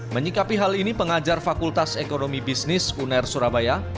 menyikapi hal ini pengajar fakultas ekonomi bisnis uner surabaya